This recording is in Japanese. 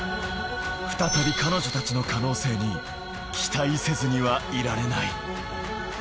再び彼女たちの可能性に期待せずにはいられない。